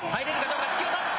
突き落とし。